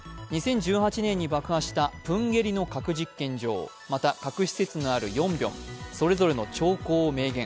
２０１８年に爆破したプンゲリの核実験場、また核施設のあるヨンビョン、それぞれの兆候を明言。